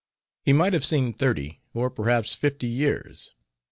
He might have seen thirty, or perhaps fifty years.